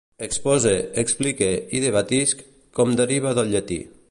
Expose, explique i debatisc com deriva del llatí.